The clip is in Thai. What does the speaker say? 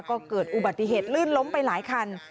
ก็เกิดอุบัติเหตุลื่นล้มไปหลายคัน